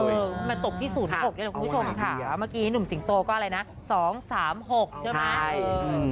มาตกที่๐๖นี่แหละคุณผู้ชมค่ะเมื่อกี้หนุ่มสิงโตก็อะไรนะ๒๓๖ใช่ไหม